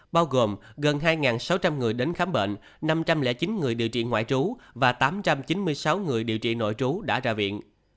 bao gồm gần hai sáu trăm linh người đến khám bệnh năm trăm linh chín người điều trị ngoại trú và tám trăm chín mươi sáu người điều trị nội trú đã ra viện